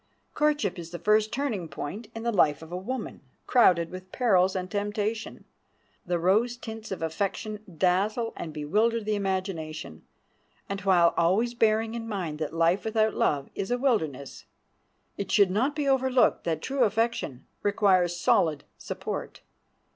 Courtship is the first turning point in the life of a woman, crowded with perils and temptation. The rose tints of affection dazzle and bewilder the imagination, and while always bearing in mind that life without love is a wilderness, it should not be overlooked that true affection requires solid support.